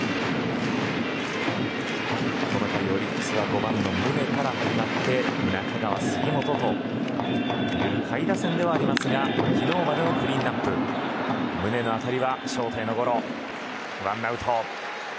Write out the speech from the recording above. この回オリックスは５番の宗から始まって中川、杉本という下位打線ではありますが昨日までのクリーンアップ宗の当たりがショートへのゴロ１アウト。